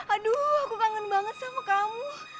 aduh aku kangen banget sama kamu